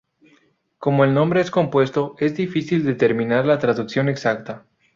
Como el nombre es compuesto, es difícil determinar la traducción exacta.